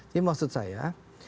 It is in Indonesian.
jadi maksud saya